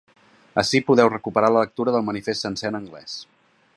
Ací podeu recuperar la lectura del manifest sencer en anglès.